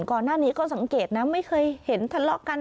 ก่อนหน้านี้ก็สังเกตนะไม่เคยเห็นทะเลาะกัน